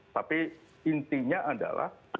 tapi intinya adalah